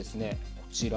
こちら